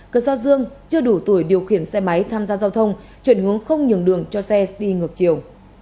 cơ sở dương chưa đủ tuổi điều khiển xe máy tham gia giao thông chuyển hướng không nhường đường cho xe đi ngược chiều